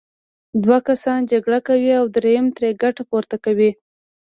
دوه کسان جګړه کوي او دریم ترې ګټه پورته کوي.